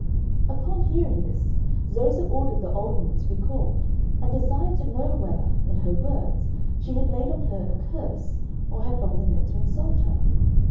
Upon hearing this, Zoza ordered the old woman to be called; and desired to know whether, in her words, she had laid on her a curse, or had only meant to insult her.